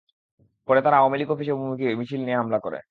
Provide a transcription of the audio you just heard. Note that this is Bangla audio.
পরে তারা আওয়ামী লীগ অফিস অভিমুখী মিছিল নিয়ে হামলা করে।